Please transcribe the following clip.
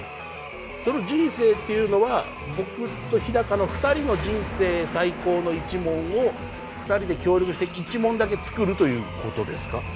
その人生っていうのは僕と日の２人の人生最高の一問を２人で協力して一問だけ作るということですか？